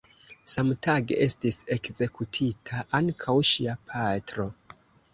Samtage estis ekzekutita ankaŭ ŝia patro.